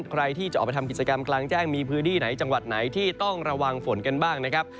ใครที่จะออกไปทำกิจกรรมกลางแจ้งมีพื้นที่ไหนจังหวัดไหนที่ต้องระวังฝนกันบ้างนะครับ